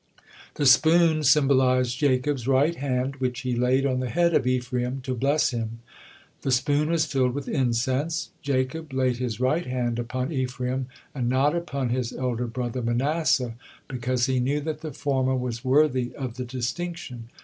The spoon symbolized Jacob's right hand, which he laid on the head of Ephraim to bless him; the spoon was filled with incense; Jacob laid his right hand upon Ephraim and not upon his elder brother Manasseh because he knew that the former was worthy of the distinction.